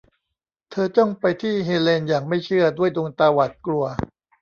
เธอจ้องไปที่เฮเลนอย่างไม่เชื่อด้วยดวงตาหวาดกลัว